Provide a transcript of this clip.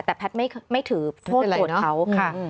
แต่แพทย์ไม่ถือโทษโกรธเขาค่ะ